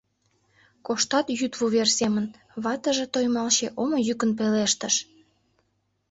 «Коштат йӱд вувер семын», — ватыже, Тоймалче, омо йӱкын пелештыш.